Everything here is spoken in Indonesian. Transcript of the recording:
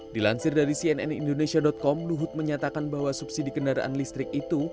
dilansir dari cnn indonesia com luhut menyatakan bahwa subsidi kendaraan listrik itu